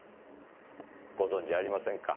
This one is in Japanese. ご存知ありませんか。